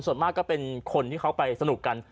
ส่วนมากก็เป็นคนที่เขาไปสนุกกัน